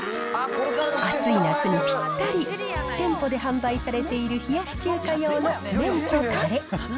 暑い夏にぴったり、店舗で販売されている冷やし中華用の麺とたれ。